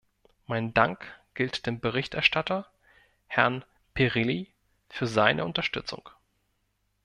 Mein Dank gilt dem Berichterstatter, Herrn Pirilli, für seine Unterstützung.